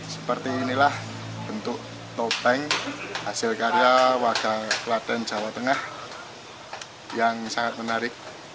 seperti inilah bentuk topeng hasil karya warga klaten jawa tengah yang sangat menarik